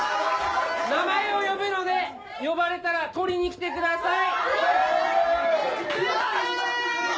名前を呼ぶので呼ばれたら取りに来てください。